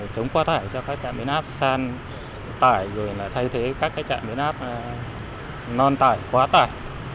chống quá tải cho các trạm biến áp san tải rồi là thay thế các trạm biến áp non tải quá tải